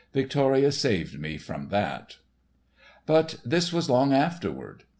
Victoria saved me from that." But this was long afterward.